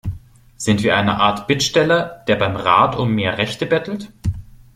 Sind wir eine Art Bittsteller, der beim Rat um mehr Rechte bettelt?